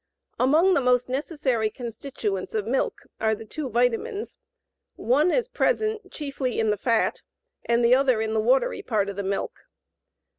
Among the most necessary constituents of milk are the two vitamines. One is present chiefly in the fat and the other in the watery part of the milk.